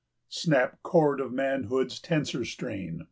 ] Snap, chord of manhood's tenser strain!